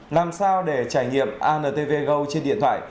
làm sao để trải nghiệm antv go trên điện thoại